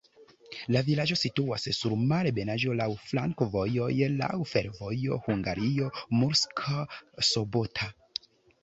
La vilaĝo situas sur malebenaĵo, laŭ flankovojoj, laŭ fervojo Hungario-Murska Sobota.